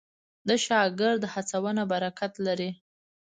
د شاګرد هڅونه برکت لري.